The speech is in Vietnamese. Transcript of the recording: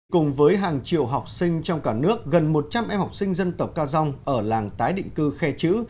cùng với hàng triệu học sinh trong cả nước gần một trăm linh em học sinh dân tộc ca dông ở làng tái định cư khe chữ